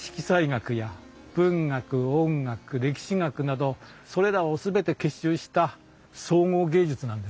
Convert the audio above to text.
学や文学音楽歴史学などそれらを全て結集した総合芸術なんです。